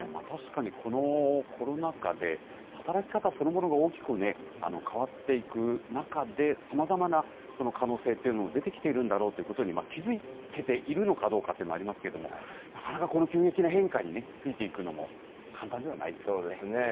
確かにこのコロナ禍で、働き方そのものが大きく変わっていく中で、さまざまな可能性というのも出てきているんだろうということに気付けているのかどうかっていうの、ありますけれども、なかなかこの急激な変化についていくのも、簡単ではないですよね。